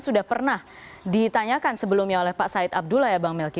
sudah pernah ditanyakan sebelumnya oleh pak said abdullah ya bang melki